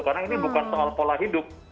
karena ini bukan soal pola hidup